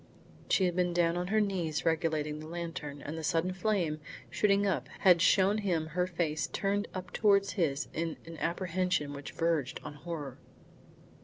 She had been down on her knees regulating the lantern, and the sudden flame, shooting up, had shown him her face turned up towards his in an apprehension which verged on horror.